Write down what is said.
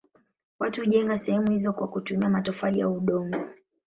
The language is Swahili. Watu hujenga sehemu hizo kwa kutumia matofali au udongo.